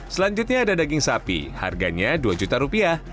selanjutnya ada daging sapi harganya dua juta rupiah